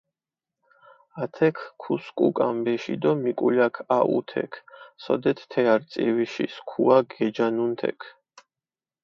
ათექ ქუსქუ კამბეში დო მიკულაქ აჸუ თექ, სოდეთ თე არწივიში სქუა გეჯანუნ თექ.